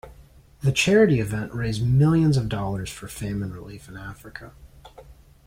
The charity event raised millions of dollars for famine relief in Africa.